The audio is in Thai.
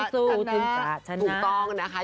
สูงต้องนะคะ